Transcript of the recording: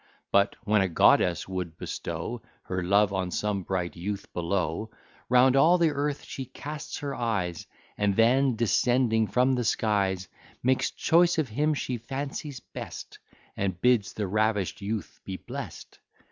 But, when a goddess would bestow Her love on some bright youth below, Round all the earth she casts her eyes; And then, descending from the skies, Makes choice of him she fancies best, And bids the ravish'd youth be bless'd.